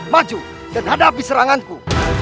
maju dan hadapi seranganku